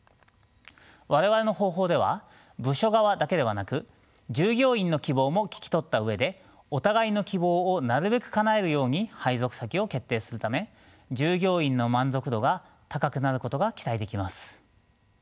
我々の方法では部署側だけではなく従業員の希望も聞き取った上でお互いの希望をなるべくかなえるように配属先を決定するため従業員の満足度が高くなることが期待できます。